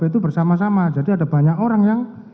itu bersama sama jadi ada banyak orang yang